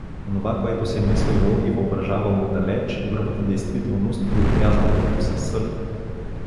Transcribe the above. Онова, което се мислело и въображавало отдалеч, грубата действителност го отрязала като със сърп.